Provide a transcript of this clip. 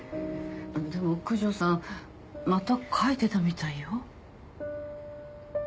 でも九条さんまた描いてたみたいよ？